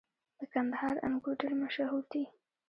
• د کندهار انګور ډېر مشهور دي.